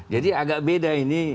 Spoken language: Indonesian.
jadi agak beda ini